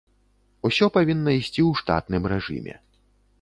Усё павінна ісці ў штатным рэжыме.